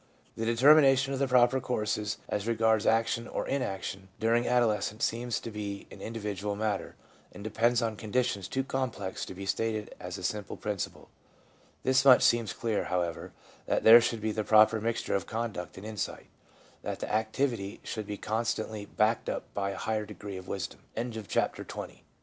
The determination of the proper course as regards action or inaction during adolescence seems to be an individual matter, and depends on conditions too complex to be stated as a simple principle. This much seems clear, however, that there should be the proper mixture of conduct and insight ; that the activity should be constantly backed up by a higher degree of wisdom. CHAPTER XXI ADOL